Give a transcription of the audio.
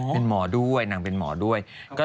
เป็นหมอด้วยนางเป็นหมอด้วย